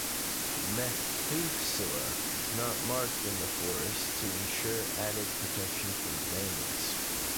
"Methuselah" is not marked in the forest, to ensure added protection from vandals.